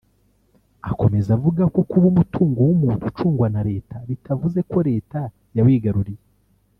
Akomeza avuga ko kuba umutungo w’umuntu ucungwa na Leta bitavuze ko Leta yawigaruriye